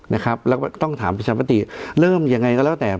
นะครับแล้วก็ต้องถามประชามติเริ่มยังไงก็แล้วแต่